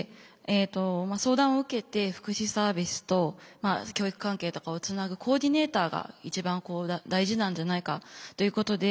相談を受けて福祉サービスと教育関係とかをつなぐコーディネーターが一番大事なんじゃないかということで。